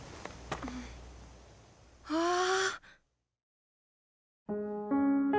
ああ。